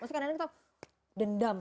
maksudnya kan karena kita tahu dendam